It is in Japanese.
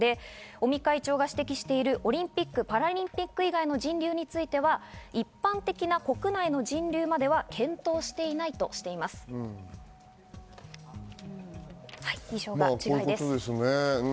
尾身会長が指摘している、オリンピック・パラリンピック以外の人流については一般的な国内の人流までは検討していないとしています。